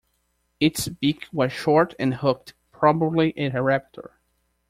Its beak was short and hooked – probably a raptor.